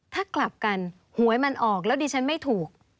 ถ้ากลับกันหวยมันออกแล้วดิฉันไม่ถูก